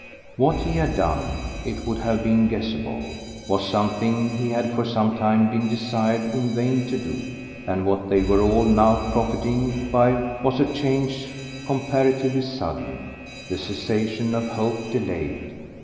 What he had done, it would have been guessable, was something he had for some time been desired in vain to do; and what they were all now profiting by was a change comparatively sudden, the cessation of hope delayed.